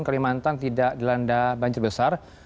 kalimantan tidak dilanda banjir besar